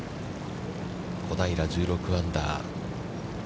小平、１６アンダー。